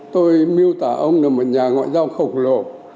tôi miêu tả ông là một nhà ngoại giao khổng lồ